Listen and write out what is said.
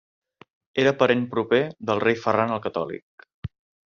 Era parent proper del rei Ferran el Catòlic.